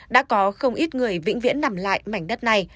đã có không ít người vĩnh viễn nằm lại mảnh đất này